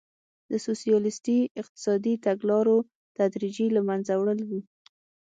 د سوسیالیستي اقتصادي تګلارو تدریجي له منځه وړل وو.